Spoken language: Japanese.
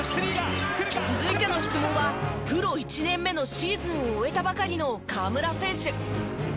続いての質問はプロ１年目のシーズンを終えたばかりの河村選手。